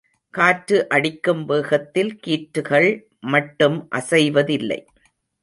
காற்று அடிக்கும் வேகத்தில் கீற்றுகள் மட்டும் அசைவதில்லை.